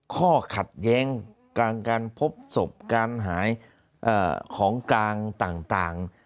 ข้อขัดแย้งกลางการพบศพการหายของกลางต่าง